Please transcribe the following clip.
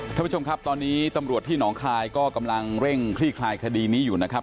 ท่านผู้ชมครับตอนนี้ตำรวจที่หนองคายก็กำลังเร่งคลี่คลายคดีนี้อยู่นะครับ